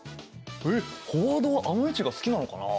えっフォワードはあの位置が好きなのかな？